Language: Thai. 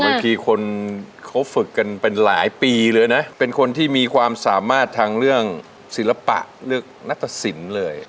บางทีคนเขาฝึกกันเป็นหลายปีเลยนะเป็นคนที่มีความสามารถทางเรื่องศิลปะเรื่องนัตตสินเลย